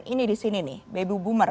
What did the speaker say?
ini di sini nih baby boomer